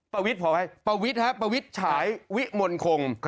ปวิทธิ์พอไหมปวิทธิ์ฮะปวิทธิ์ฉายวิมนคง